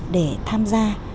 để tham gia